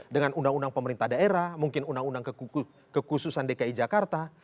dengan undang undang pemerintah daerah mungkin undang undang kekhususan dki jakarta